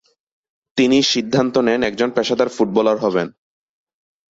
তিনি সিদ্ধান্ত নেন একজন পেশাদার ফুটবলার হবেন।